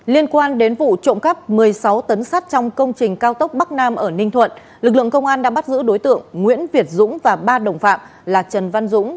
liên quan đến vụ trộm cắp một mươi sáu tấn sắt trong công trình cao tốc bắc nam ở ninh thuận lực lượng công an đã bắt giữ đối tượng nguyễn việt dũng và ba đồng phạm là trần văn dũng